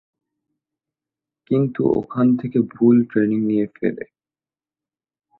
কিন্তু ওখান থেকে ভুল ট্রেনিং নিয়ে ফেরে।